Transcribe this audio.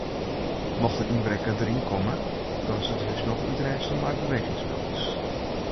Mocht in ynbrekker deryn komme dan is it hús noch útrêste mei bewegingsmelders.